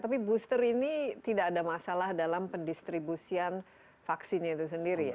tapi booster ini tidak ada masalah dalam pendistribusian vaksinnya itu sendiri ya